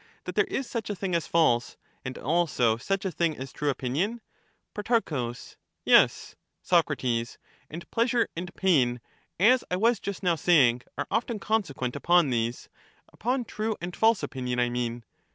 — that there is such a thing as false, and also such a thing as true opinion ? Pro. Yes. Soc. And pleasure and pain, as I was just now saying, are often consequent upon these — upon true and false opinion, I mean.